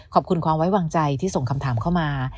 ขอบคุณความไว้วางใจที่ส่งคำถามเข้ามา